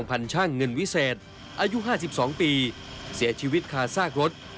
อายุ๕๒ปีเสียชีวิตคาซากรถ